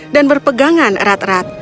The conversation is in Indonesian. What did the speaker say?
dan berpegangan erat erat